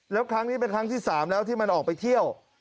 แล้วครั้งนี้เป็นครั้งที่๓แล้วที่มันออกไปเที่ยว